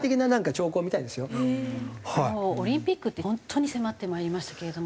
オリンピックって本当に迫ってまいりましたけれども。